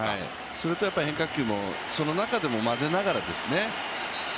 それと変化球もその中でもまぜながらですね。